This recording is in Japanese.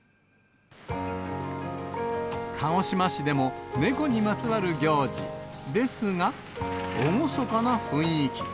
鹿児島市でも猫にまつわる行事ですが、厳かな雰囲気。